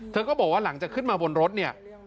เธอก็บอกว่าหลังเข้าไปบนรถเนี่ย